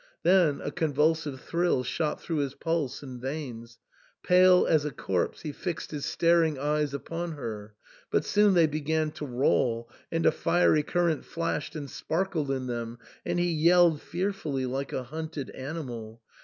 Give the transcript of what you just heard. Then a convulsive thrill shot through his pulse and veins ; pale as a corpse, he fixed his staring eyes upon her ; but soon they began to roll, and a fiery current flashed and sparkled in them, and he yelled fearfully, like a hunted animal.